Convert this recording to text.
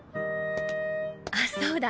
あそうだ。